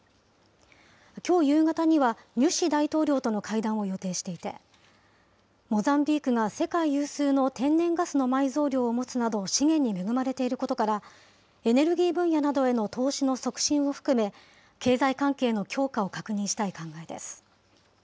きょう夕方には、ニュシ大統領との会談を予定していて、モザンビークが世界有数の天然ガスの埋蔵量を持つなど、資源に恵まれていることから、エネルギー分野などへの投資の促進を含め、経済関係の強化を確認したい考えです。